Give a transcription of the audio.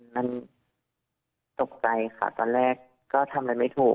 มันตกใจค่ะตอนแรกก็ทำอะไรไม่ถูก